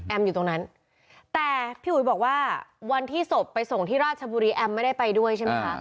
อยู่ตรงนั้นแต่พี่อุ๋ยบอกว่าวันที่ศพไปส่งที่ราชบุรีแอมไม่ได้ไปด้วยใช่ไหมคะ